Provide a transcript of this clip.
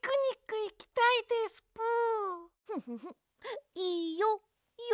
ウフフッいいよ。